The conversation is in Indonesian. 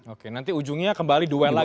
oke nanti ujungnya kembali dua lagi ya